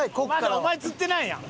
まだお前釣ってないやん。